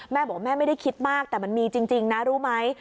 แม่บอกว่าแม่ไม่ได้คิดมากแต่มันมีจริงนะรู้ไหม